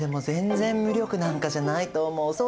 全然無力なんかじゃないと思う。